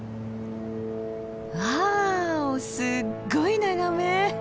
わあすっごい眺め！